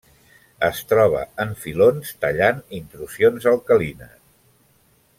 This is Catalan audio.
Es troba en filons tallant intrusions alcalines.